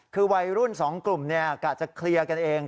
คือวัยรุ่นสองกลุ่มเนี่ยกล้าจะเคลียร์กันเอง